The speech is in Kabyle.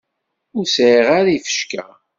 Ur sɛiɣ ara ifecka.